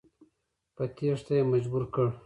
په تېښته یې مجبور کړ.